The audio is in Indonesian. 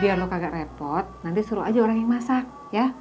biar lok agak repot nanti suruh aja orang yang masak ya